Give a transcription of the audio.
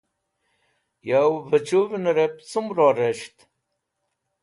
Yo vẽc̃hũvnẽrẽb cum ror res̃ht?